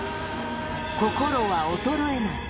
心は衰えない。